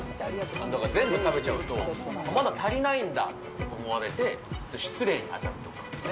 全部食べちゃうとまだ足りないんだって思われて失礼に当たるとかですね